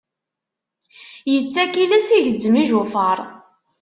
Yettak iles, igezzem ijufaṛ.